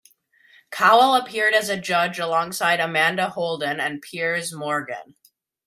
Cowell appeared as a judge alongside Amanda Holden and Piers Morgan.